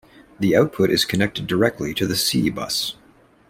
The output is connected directly to the C bus.